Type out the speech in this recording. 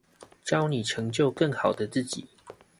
教你成就更好的自己